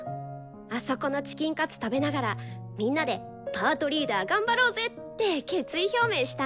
あそこのチキンカツ食べながらみんなで「パートリーダー頑張ろうぜ！」って決意表明したんだよね！